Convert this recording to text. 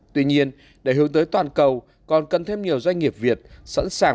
tuy nhiên để hướng tới toàn cầu còn cần thêm nhiều doanh nghiệp việt sẵn sàng và cố gắng